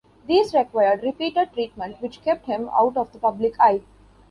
These required repeated treatment which kept him out of the public eye.